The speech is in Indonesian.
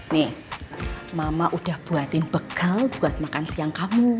nih mama sudah buatin begel buat makan siang kamu